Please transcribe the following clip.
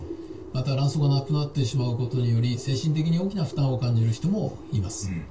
また卵巣がなくなってしまうことにより精神的に大きな負担を感じる人もいます。